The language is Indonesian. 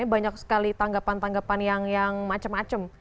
banyak sekali tanggapan tanggapan yang macam macam